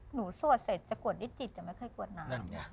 หนูสวดเสร็จจะกวดนิดแต่ไม่เคยกวดน้ำ